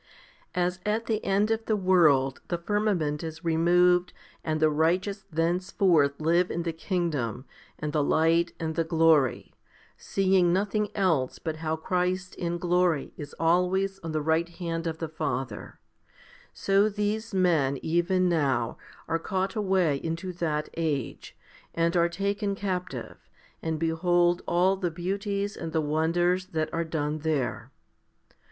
4. As at the end of the world the firmament is removed and the righteous thenceforth live in the kingdom and the light and the glory, seeing nothing else but how Christ in glory is always on the right hand of the Father, so these 1 Mai. iv. 2. 144 FIFTY SPIRITUAL HOMILIES men even now are caught away into that age, and are taken captive, and behold all the beauties and the wonders that are done there.